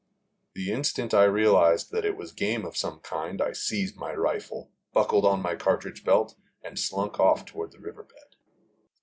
The instant I realized that it was game of some kind I seized my rifle, buckled on my cartridge belt, and slunk off toward the river bed.